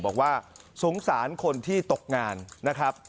บอกว่าสงสารคนที่ตกงานนะครับ